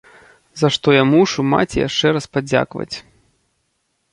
За што я мушу маці яшчэ раз падзякаваць.